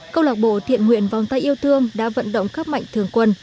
câu lạc bộ thiện nguyện vòng tay yêu thương đã vận động khắp mạnh thường quân